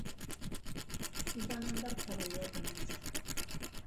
Udan hondartzara joaten naiz